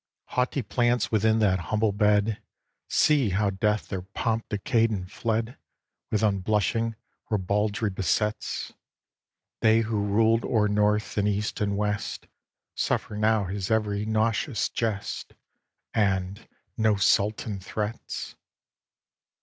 Haughty plants within that humble bed See how death their pomp decayed and fled With unblushing ribaldry besets! They who ruled o'er north and east and west Suffer now his ev'ry nauseous jest, And no sultan threats?